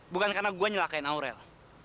bukan karena gue nyelakain aurel